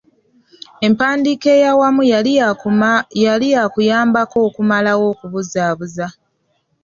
Empandiika ey’awamu yali yaakuyambako okumalawo okubuzaabuza.